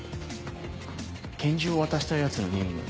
拳銃を渡したヤツの任務